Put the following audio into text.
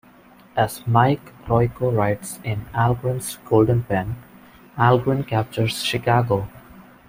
As Mike Royko writes in 'Algren's Golden Pen,' Algren "captures" Chicago.